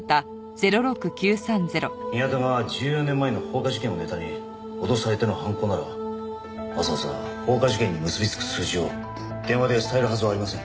宮田が１４年前の放火事件をネタに脅されての犯行ならわざわざ放火事件に結びつく数字を電話で伝えるはずはありません。